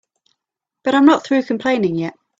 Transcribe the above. But I'm not through complaining yet.